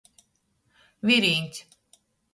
Virīņs.